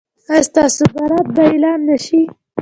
ایا ستاسو برات به اعلان نه شي؟